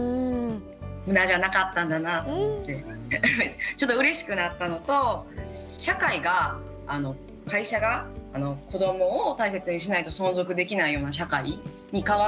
無駄じゃなかったんだなと思ってちょっとうれしくなったのと社会が会社が子どもを大切にしないと存続できないような社会に変わっていく。